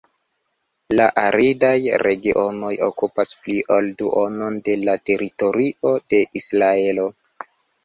La aridaj regionoj okupas pli ol duonon de la teritorio de Israelo.